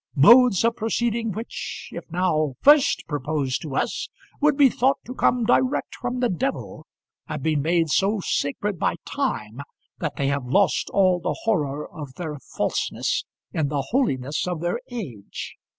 Modes of proceeding which, if now first proposed to us, would be thought to come direct from the devil, have been made so sacred by time that they have lost all the horror of their falseness in the holiness of their age.